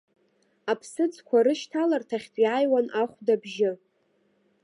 Аԥсыӡқәа рышьҭаларҭахьтә иааҩуан ахәда абжьы.